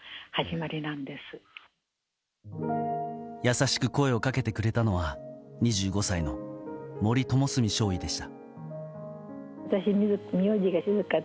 優しく声をかけてくれたのは２５歳の森知澄少尉でした。